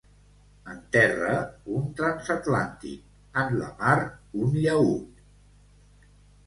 En terra, un transatlàntic; en la mar, un llaüt.